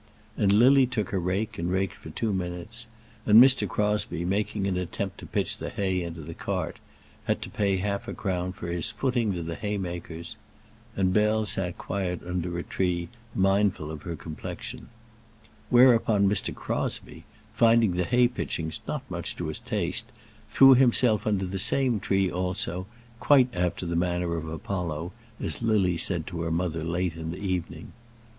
And Lily took a rake, and raked for two minutes; and Mr. Crosbie, making an attempt to pitch the hay into the cart, had to pay half a crown for his footing to the haymakers; and Bell sat quiet under a tree, mindful of her complexion; whereupon Mr. Crosbie, finding the hay pitching not much to his taste, threw himself under the same tree also, quite after the manner of Apollo, as Lily said to her mother late in the evening.